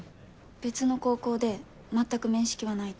別の高校で全く面識はないと。